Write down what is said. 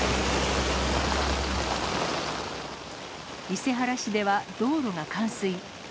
伊勢原市では道路が冠水。